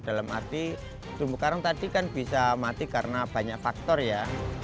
dalam arti terumbu karang tadi kan bisa mati karena banyak faktor ya